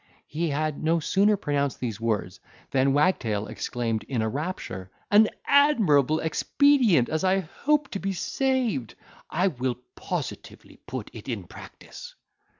He had he sooner pronounced these words, than Wagtail exclaimed in a rapture, "An admirable expedient, as I hope to be saved! I will positively put it in practice."